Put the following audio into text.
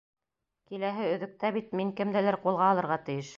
Киләһе өҙөктә бит мин кемделер ҡулға алырға тейеш!